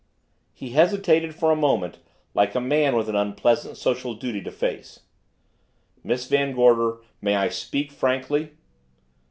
He hesitated for a moment like a man with an unpleasant social duty to face. "Miss Van Gorder, may I speak frankly?"